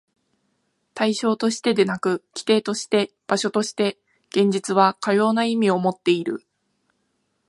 対象としてでなく、基底として、場所として、現実はかような意味をもっている。